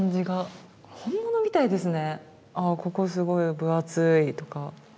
ここすごい分厚いとか。